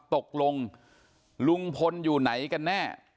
ตกลงลุงพลอยู่ไหนกันแน่